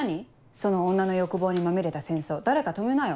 その女の欲望にまみれた戦争誰か止めなよ。